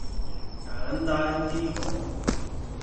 簡單啲講